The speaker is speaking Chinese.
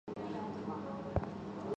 原产地从中南半岛到中国。